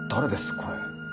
これ。